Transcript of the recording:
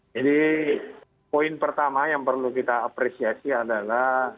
jadi poin pertama yang perlu kita apresiasi adalah